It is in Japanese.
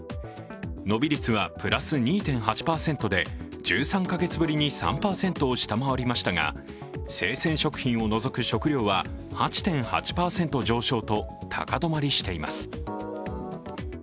伸び率はプラス２．８％で１３か月ぶりに３％を下回りましたが生鮮食品を除く食料は８．８％上昇と高止まりしています。